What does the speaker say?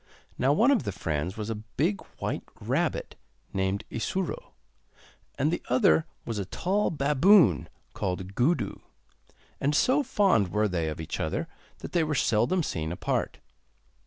Now one of the friends was a big white rabbit named Isuro, and the other was a tall baboon called Gudu, and so fond were they of each other that they were seldom seen apart.